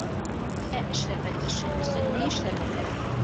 Ә эшләпә төшһөн өсөн ни эшләргә кәрәк?